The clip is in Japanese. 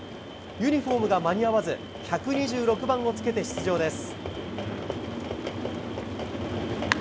ユニホームが間に合わず、１２６番をつけて出場です。